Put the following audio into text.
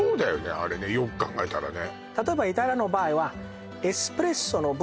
あれねよく考えたらね